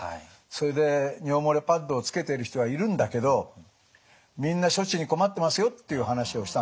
それで尿漏れパッドをつけてる人はいるんだけどみんな処置に困ってますよっていう話をしたんです。